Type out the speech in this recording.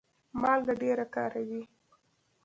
مالګه ډیره کاروئ؟